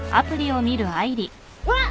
うわっ！